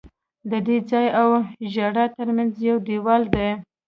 د دې ځای او ژړا ترمنځ یو دیوال دی.